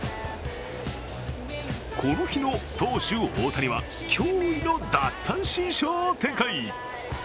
この日の投手・大谷は驚異の奪三振ショーを展開。